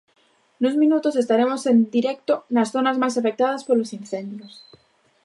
Nuns minutos estaremos en directo nas zonas máis afectadas polos incendios.